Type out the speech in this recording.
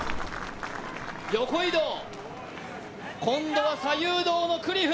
横移動、今度は左右動のクリフ。